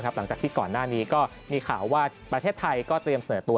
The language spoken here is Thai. หลังจากที่ก่อนหน้านี้ก็มีข่าวว่าประเทศไทยก็เตรียมเสนอตัว